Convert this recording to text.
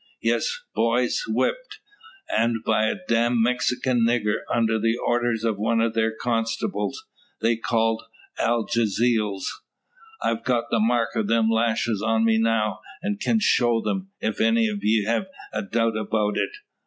Yes, boys, whipped! An' by a damned Mexikin nigger, under the orders o' one o' their constables, they call algazeels. I've got the mark o' them lashes on me now, and can show them, if any o' ye hev a doubt about it.